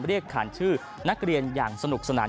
เรียกขานชื่อนักเรียนอย่างสนุกสนาน